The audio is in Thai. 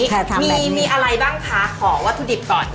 ก็ทำแบบนี้มีอะไรบ้างคะขอวัตถุดิบก่อน